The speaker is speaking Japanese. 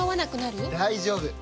大丈夫！